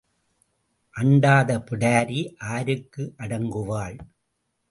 அண்டாத பிடாரி ஆருக்கு அடங்குவாள்?